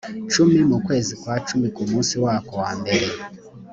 cumi mu kwezi kwa cumi ku munsi wako wa mbere